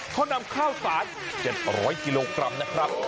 เขานำข้าวสาร๗๐๐กิโลกรัมนะครับ